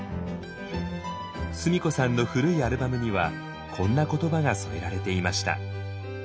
須美子さんの古いアルバムにはこんな言葉が添えられていました。